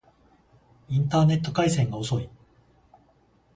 インターネット回線が遅い